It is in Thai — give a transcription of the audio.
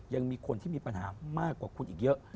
ยังมีคนที่มีปัญหามากกว่าคุณอีกเยอะ